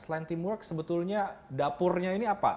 selain teamwork sebetulnya dapurnya ini apa